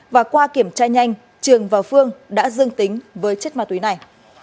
và qua kiểm tra nhanh trường và phương đã dương tính với chất ma túy này